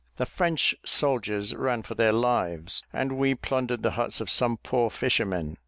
The French soldiers ran for their lives, and we plundered the huts of some poor fishermen.